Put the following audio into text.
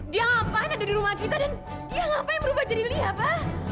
dia apaan ada di rumah kita dan dia apaan merubah jadi lia pa